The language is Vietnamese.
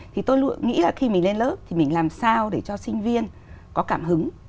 thì tôi nghĩ là khi mình lên lớp thì mình làm sao để cho sinh viên có cảm hứng